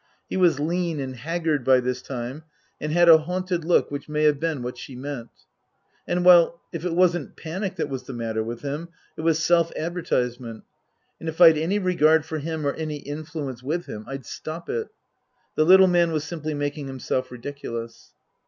(He was lean and haggard by this time, and had a haunted look which may have been what she meant.) And well if it wasn't panic that was the matter with him it was self advertise ment, and if I'd any regard for him or any influence with him I'd stop it. The little man was simply making himself ridiculous.